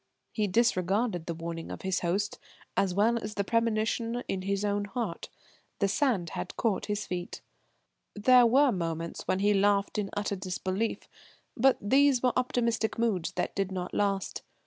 He disregarded the warning of his host as well as the premonition in his own heart. The sand had caught his feet. There were moments when he laughed in utter disbelief, but these were optimistic moods that did not last.